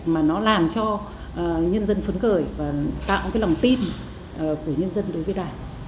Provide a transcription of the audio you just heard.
mà nó làm cho nhân dân phấn khởi và tạo cái lòng tin của nhân dân đối với đảng